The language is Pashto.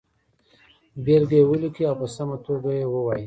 بېلګه یې ولیکئ او په سمه توګه یې ووایئ.